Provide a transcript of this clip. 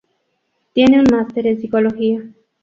Tiene un máster en psicología.